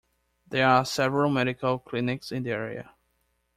There are several medical clinics in the area.